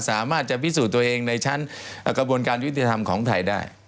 สามารถจะพิสูจน์ตัวเองในชั้นกระบวนการยุติธรรมของไทยได้